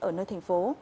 ở nơi thành phố